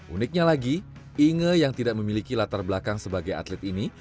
uniknya lagi inge yang tidak memiliki latar belakang sebagai atlet ini